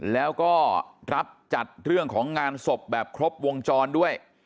แล้วก็รับจัดเรื่องของงานศพแบบครบวงจรด้วย